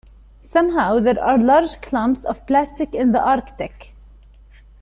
Somehow there are large clumps of plastic in the Arctic.